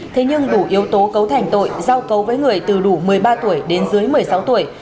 thế nhưng đủ yếu tố cấu thành tội giao cấu với người từ đủ một mươi ba tuổi đến dưới một mươi sáu tuổi